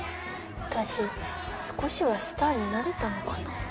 私少しはスターになれたのかな。